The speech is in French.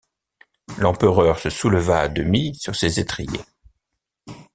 L’empereur se souleva à demi sur ses étriers.